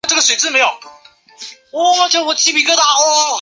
现代的边后卫通常都具备高速度和充沛体力以便来回穿梭攻守之间。